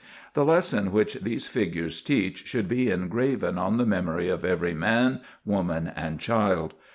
The lesson which these figures teach should be engraven on the memory of every man, woman, and child.